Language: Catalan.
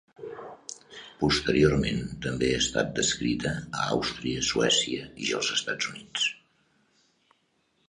Posteriorment també ha estat descrita a Àustria, Suècia i els Estats Units.